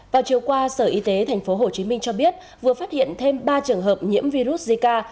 vào chiều qua sở y tế tp hcm cho biết vừa phát hiện thêm ba trường hợp nhiễm virus zika